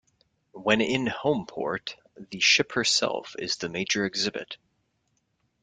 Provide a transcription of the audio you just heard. When in homeport, the ship herself is the major "exhibit".